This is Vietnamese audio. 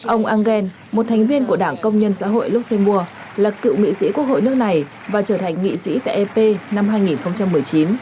ông engel một thành viên của đảng công nhân xã hội luxemo là cựu nghị sĩ quốc hội nước này và trở thành nghị sĩ tại ep năm hai nghìn một mươi chín